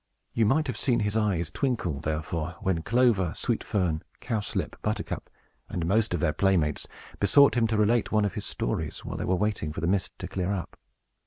You might have seen his eyes twinkle, therefore, when Clover, Sweet Fern, Cowslip, Buttercup, and most of their playmates, besought him to relate one of his stories, while they were waiting for the mist to clear up.